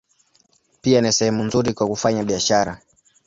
Pia ni sehemu nzuri kwa kufanya biashara.